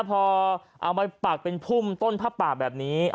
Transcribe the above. พอเอามาปักเป็นพุ่มต้นผ้าป่าแบบนี้